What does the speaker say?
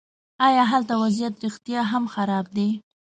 ایا هلته وضعیت رښتیا هم خراب دی.